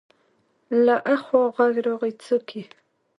له اخوا غږ راغی: څوک يې؟